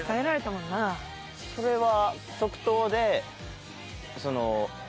それは。